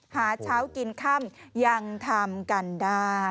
หาเช้ากินค่ำยังทำกันได้